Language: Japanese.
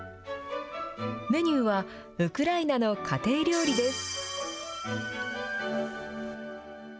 メニューは、ウクライナの家庭料理です。